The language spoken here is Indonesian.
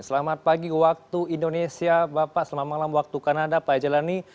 selamat pagi waktu indonesia bapak selamat malam waktu kanada pak jelani